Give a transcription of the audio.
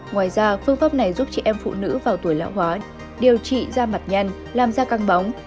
ngoài ra phương pháp này giúp chị em phụ nữ vào tuổi lão hóa điều trị da mặt nhăn làm da căng bóng